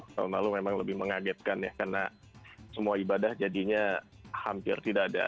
tahun lalu memang lebih mengagetkan ya karena semua ibadah jadinya hampir tidak ada